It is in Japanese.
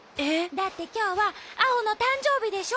だってきょうはアオのたんじょうびでしょ？